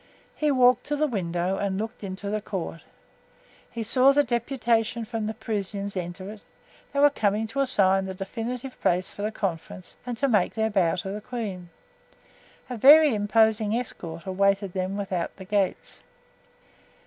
He walked to the window and looked into the court. He saw the deputation from the Parisians enter it; they were coming to assign the definitive place for the conference and to make their bow to the queen. A very imposing escort awaited them without the gates.